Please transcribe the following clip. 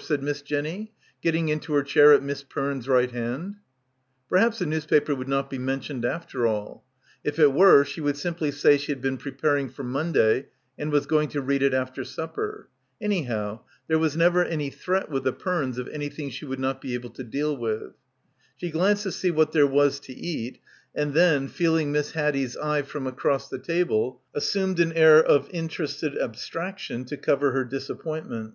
said Miss Jenny, getting into her chair at Miss Perne's right hand. Perhaps the newspaper would not be mentioned after all. If it were she would simply say she had been preparing for Monday and was going to read it after supper. Anyhow there was never any threat with the Pernes of anything she would not be able to deal with. She glanced to see what there was to eat, and then, feeling Miss Haddie's eye from across the table, assumed an air of in terested abstraction to cover her disappointment.